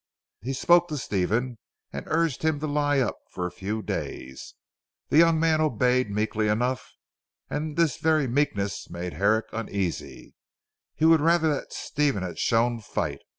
He spoke to Stephen and urged him to lie up for a few days. The young man obeyed meekly enough, and this very meekness made Herrick uneasy. He would rather that Stephen had shown fight.